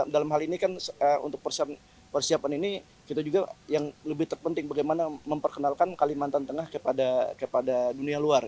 dalam hal ini kan untuk persiapan ini kita juga yang lebih terpenting bagaimana memperkenalkan kalimantan tengah kepada dunia luar